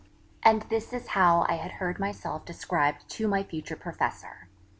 And this is how I had heard myself described to my future Professor.